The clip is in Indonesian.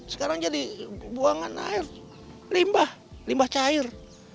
sekarang jadi buangan air limbah limbah cair